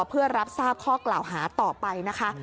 เพื่อรับทราบข้อกล่าวหาต่อไปนะคะ